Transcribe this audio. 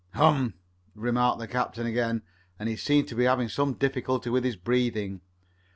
"Hum," remarked the captain again, and he seemed to be having some difficulty with his breathing.